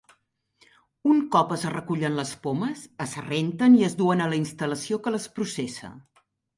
Un cop es recullen les pomes, es renten i es duen a la instal·lació que les processa.